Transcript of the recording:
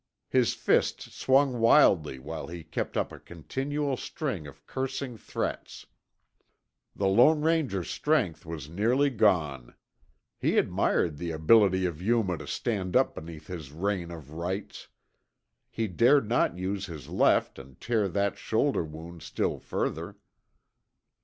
His fists swung wildly while he kept up a continual string of cursing threats. The Lone Ranger's strength was nearly gone. He admired the ability of Yuma to stand up beneath his rain of rights. He dared not use his left and tear that shoulder wound still further.